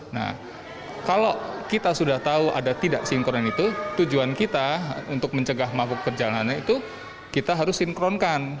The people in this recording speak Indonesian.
nah kalau kita sudah tahu ada tidak sinkron itu tujuan kita untuk mencegah mabuk perjalanannya itu kita harus sinkronkan